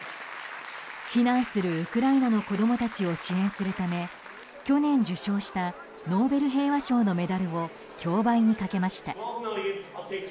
避難するウクライナの子供たちを支援するため去年受賞したノーベル平和賞のメダルを競売にかけました。